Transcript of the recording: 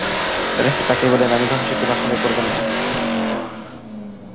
ফেরেশতা তাকে বললেন, আপনি ধ্বংসের কোন আশংকা করবেন না।